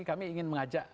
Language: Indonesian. kami ingin mengajak